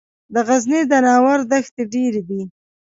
د غزني د ناور دښتې ډیرې دي